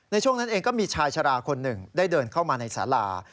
ในช่วงนั้นเองก็มีชายชะลาคนหนึ่งได้เดินเข้ามาในสารา